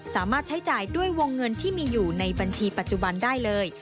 สามารถใช้จ่ายด้วยวงเงินที่มีอยู่ในบัญชีปัจจุบันได้เลย